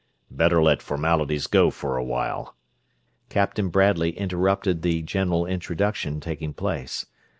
"Better let formalities go for a while," Captain Bradley interrupted the general introduction taking place.